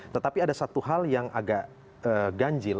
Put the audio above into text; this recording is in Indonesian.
tetapi ada satu hal yang agak ganjil